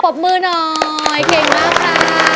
บมือหน่อยเก่งมากค่ะ